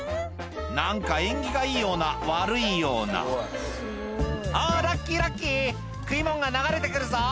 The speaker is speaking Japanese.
何か縁起がいいような悪いような「あぁラッキーラッキー食い物が流れて来るぞ」